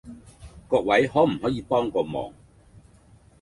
各位可唔可以幫個忙